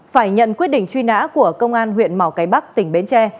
phải nhận quyết định truy nã của công an huyện mỏ cái bắc tỉnh bến tre